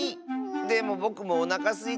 でもぼくもおなかすいた。